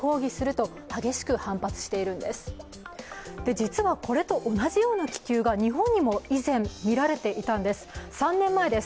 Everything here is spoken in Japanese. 実はこれと同じような気球が日本でも以前、見られていたんです。